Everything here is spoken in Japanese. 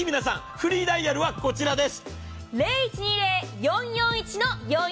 フリーダイヤルはこちらです。